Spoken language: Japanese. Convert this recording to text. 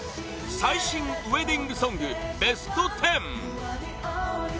最新ウェディングソングＢＥＳＴ１０